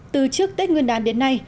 từ trước tết nguyên đán đến nay